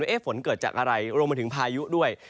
ฝนเกิดจากอะไรรวมมาถึงพายุด้วย